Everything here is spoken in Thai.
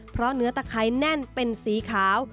เพราะเนื้อตะไคร้แน่นเป็นสีขาว